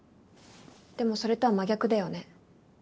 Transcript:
でもそれとは真逆だよね。